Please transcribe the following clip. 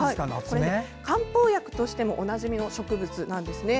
漢方薬としてもおなじみの植物なんですね。